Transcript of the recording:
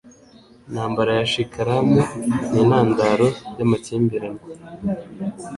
Intambara ya Shikaramu n'intandaro y'amakimbirane